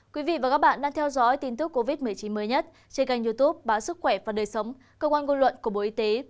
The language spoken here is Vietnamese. quý vị và các bạn đang theo dõi tin tức covid một mươi chín mới nhất trên kênh youtube báo sức khỏe và đời sống cơ quan ngôn luận của bộ y tế